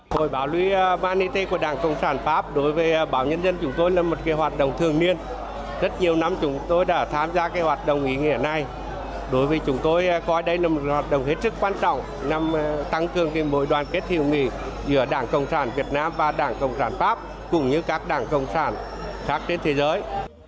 hội báo luy manite của đảng cộng sản pháp đối với báo nhân dân chúng tôi là một hoạt động thường niên rất nhiều năm chúng tôi đã tham gia hoạt động ý nghĩa này đối với chúng tôi coi đây là một hoạt động hết sức quan trọng tăng cường mối đoàn kết thiệu mì giữa đảng cộng sản việt nam và đảng cộng sản pháp cũng như các đảng cộng sản khác trên thế giới